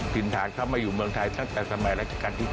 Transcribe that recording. ถิ่นฐานเข้ามาอยู่เมืองไทยตั้งแต่สมัยราชการที่๙